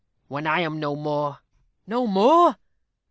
When I am no more " "No more?"